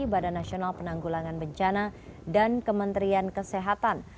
badan nasional penanggulangan bencana dan kementerian kesehatan